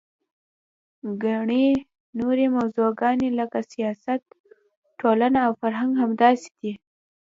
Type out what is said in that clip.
ګڼې نورې موضوعګانې لکه سیاست، ټولنه او فرهنګ همداسې دي.